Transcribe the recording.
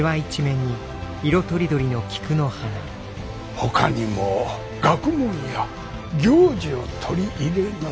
ほかにも学問や行事を取り入れなさって。